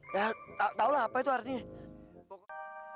ya tau lah apa itu artinya